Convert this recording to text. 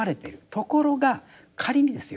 ところが仮にですよ